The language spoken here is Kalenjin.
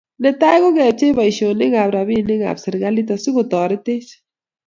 Netai ko kepchei boishonik ab robinik ab serikalit asikotoritech